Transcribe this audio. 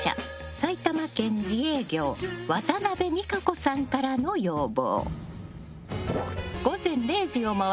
埼玉県自営業渡辺実可子さんからの要望。